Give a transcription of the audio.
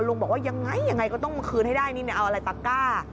ลุงบอกว่ายังไงก็ต้องคืนให้ได้นี่เอาอะไรตาก้า